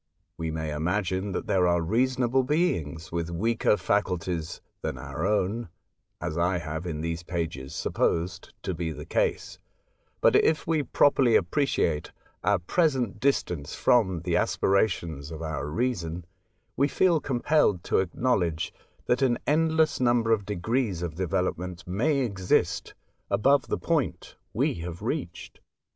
We may imagine that there are reasonable beings with weaker facul ties than our own" (as I have in these pages supposed to be the case) ;'' but, if we properly appreciate our present distance from the aspi rations of our reasoii, we feel compelled to acknowledge that an endless number of degrees of development may exist above the point we have reached." X A Voyage to Other Worlds.